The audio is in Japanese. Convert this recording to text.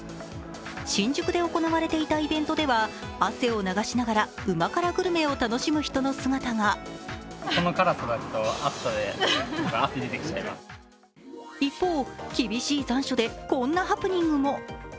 新宿で行われていたイベントでは汗を流しながらうま辛グルメを楽しむ人の姿が一方、厳しい残暑でこんなハプニングも。